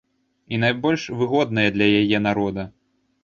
І найбольш выгодная для яе народа.